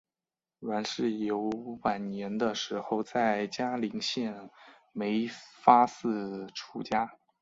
阮氏游晚年的时候在嘉林县梅发寺出家。